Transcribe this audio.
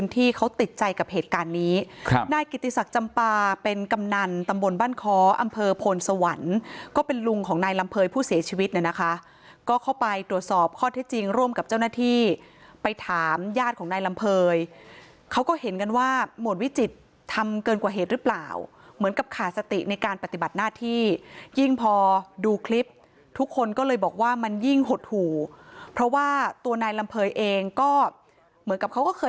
ที่เขาติดใจกับเหตุการณ์นี้ครับนายกิติศักดิ์จำปาเป็นกำนันตำบลบ้านคออำเภอโผลสวรรค์ก็เป็นลุงของนายลำเภยผู้เสียชีวิตเนี่ยนะคะก็เข้าไปตรวจสอบข้อที่จริงร่วมกับเจ้าหน้าที่ไปถามญาติของนายลำเภยเขาก็เห็นกันว่าหมวดวิจิตรทำเกินกว่าเหตุหรือเปล่าเหมือนกับข